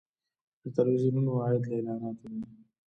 د تلویزیونونو عاید له اعلاناتو دی